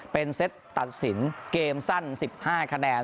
เป็นเซตตัดสินเกมสั้น๑๕คะแนน